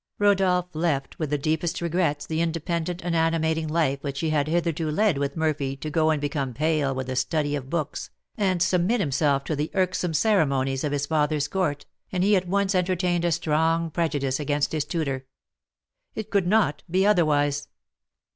Rodolph left with the deepest regrets the independent and animating life which he had hitherto led with Murphy to go and become pale with the study of books, and submit himself to the irksome ceremonies of his father's court, and he at once entertained a strong prejudice against his tutor. It could not be otherwise.